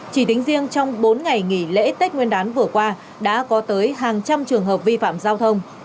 chỉ tính riêng trong bốn ngày nghỉ lễ tết nguyên đán vừa qua đã có tới hàng trăm trường hợp vi phạm giao thông